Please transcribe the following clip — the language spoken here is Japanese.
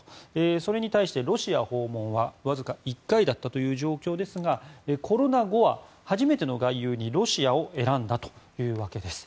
それに対してロシア訪問はわずか１回だったという状況ですがコロナ後は、初めての外遊にロシアを選んだというわけです。